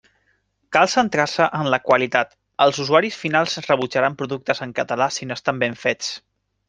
Cal centrar-se en la qualitat: els usuaris finals rebutjaran productes en català si no estan ben fets.